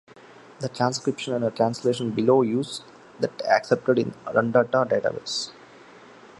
The transcription and translation below use that accepted in the Rundata database.